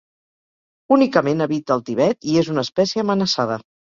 Únicament habita el Tibet i és una espècie amenaçada.